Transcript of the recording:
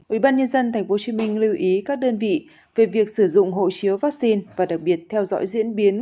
ủy ban nhân dân tp hcm lưu ý các đơn vị về việc sử dụng hộ chiếu vaccine và đặc biệt theo dõi diễn